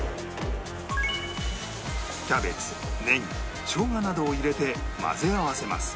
キャベツネギ生姜などを入れて混ぜ合わせます